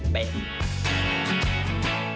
ไป